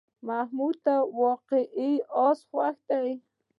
محمود ته واقعي آس خوښ کړه.